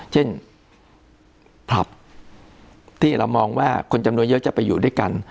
เช่นผับที่เรามองว่าคนจำนวนเยอะจะไปอยู่ด้วยกัน